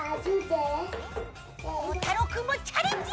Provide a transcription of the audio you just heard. こうたろうくんもチャレンジ！